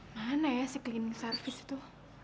mana ya si klinik servis itu